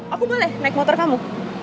aku boleh naik motor kamu